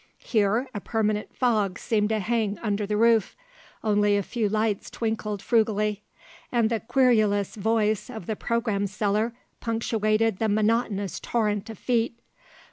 Here a permanent fog seemed to hang under the roof; only a few lights twinkled frugally; and the querulous voice of the programme seller punctuated the monotonous torrent of feet.